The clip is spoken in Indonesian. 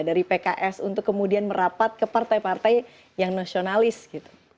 dari pks untuk kemudian merapat ke partai partai yang nasionalis gitu